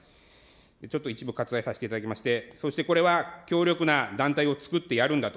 ちょっと一部割愛させていただきまして、そしてこれは、強力な団体をつくってやるんだと。